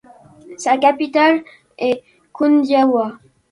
Sa capitale est Kundiawa.